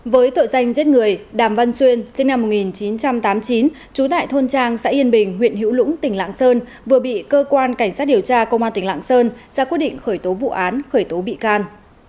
với tội danh giết người đàm văn xuyên sinh năm một nghìn chín trăm tám mươi chín trú tại thôn trang xã yên bình huyện hữu lũng tỉnh lạng sơn vừa bị cơ quan cảnh sát điều tra công an tỉnh lạng sơn ra quyết định khởi tố vụ án khởi tố bị can